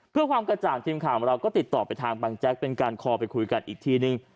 เพื่อความกระจ่างทีมข่าวของเราก็ติดต่อไปทางบางแจ๊กเป็นการคอไปคุยกันอีกทีนึง